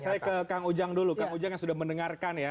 saya ke kang ujang dulu kang ujang yang sudah mendengarkan ya